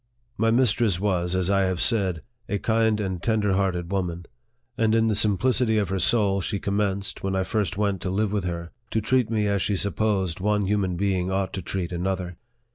My mistress was, as I have said, a kind and tender hearted woman ; and in the simplicity of her soul she commenced, when I first went to live with her, to treat me as she supposed one human being ought to treat another.